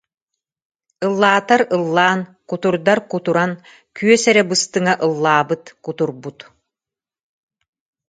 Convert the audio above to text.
Ыллаатар-ыллаан, кутурдар кутуран күөс эрэ быстыҥа ыллаабыт-кутурбут